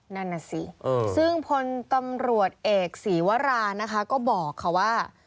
นั่นน่ะสิซึ่งพลตำรวจเอกศรีวรานะคะก็บอกค่ะว่า